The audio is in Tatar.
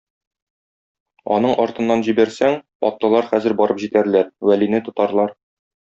Аның артыннан җибәрсәң, атлылар хәзер барып җитәрләр, Вәлине тотарлар.